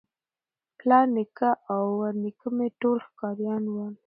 پلار نیکه او ورنیکه مي ټول ښکاریان وه